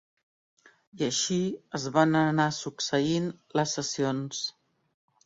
I així es van anar succeint les sessions.